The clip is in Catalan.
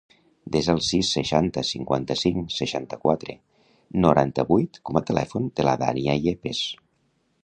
Desa el sis, seixanta, cinquanta-cinc, seixanta-quatre, noranta-vuit com a telèfon de la Dània Yepez.